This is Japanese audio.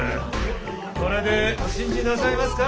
これでお信じなさいますか？